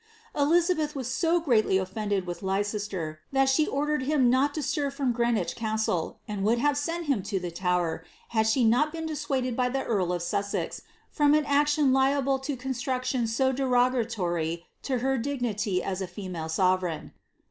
* Elizabeth was so greatly of Lh Leicester, that she ordered him not to stir from Greenwich 1 would have sent him to the Tower, had she not been dis the earl of Sussex, from an action liable to constructions so f to her dignity as a female sovereign.